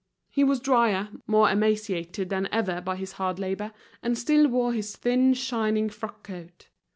He was drier, more emaciated than ever by his hard labor, and still wore his thin shining frock coat.